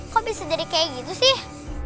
kok bisa jadi kayak gitu sih